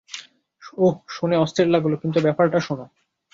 উহ, শুনে অস্থির লাগলো, কিন্তু ব্যাপারটা শোনো।